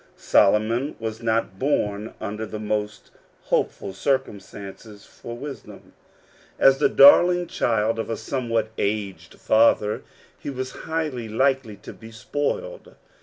Solomon was not born under the most hopeful circumstances for wisdom. As the darling child of a somewhat aged father, he was highly likely to be spoiled.